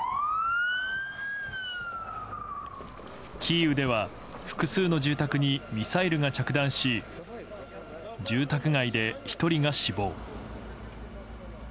キーウでは複数の住宅にミサイルが着弾し住宅街で１人が死亡。